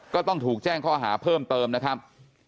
ก็ต้องถูกแจ้งข้อหาเพิ่มเติมนะครับ